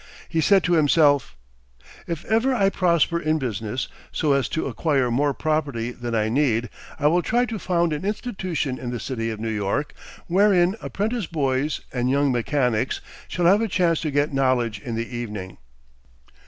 He said to himself: "If ever I prosper in business so as to acquire more property than I need, I will try to found an institution in the city of New York, wherein apprentice boys and young mechanics shall have a chance to get knowledge in the evening."